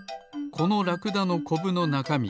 このラクダのコブのなかみ